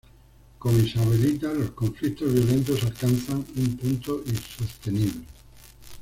Con "Isabelita" los conflictos violentos alcanzan un punto insostenible.